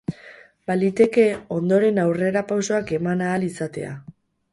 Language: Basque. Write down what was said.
Baliteke ondoren aurrerapausoak eman ahal izatea.